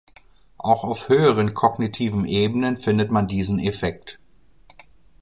Auch auf höheren kognitiven Ebenen findet man diesen Effekt.